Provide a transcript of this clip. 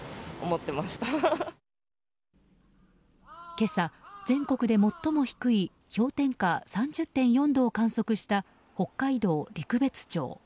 今朝、全国で最も低い氷点下３０．４度を観測した北海道陸別町。